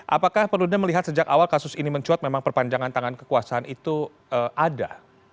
apakah perlu anda melihat sejak awal kasus ini mencuat memang perpanjangan tangan kekuasaan itu ada